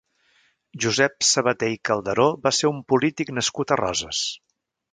Josep Sabaté i Calderó va ser un polític nascut a Roses.